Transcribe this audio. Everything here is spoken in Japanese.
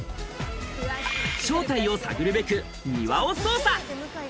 正体を探るべく、庭を捜査。